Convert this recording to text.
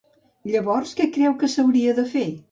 Llavors què creu que s'hauria de fer?